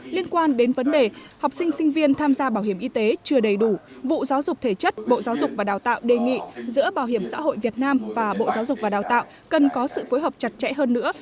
liên quan đến vấn đề học sinh sinh viên tham gia bảo hiểm y tế chưa đầy đủ vụ giáo dục thể chất bộ giáo dục và đào tạo đề nghị giữa bảo hiểm xã hội việt nam và bộ giáo dục và đào tạo cần có sự phối hợp chặt chẽ hơn nữa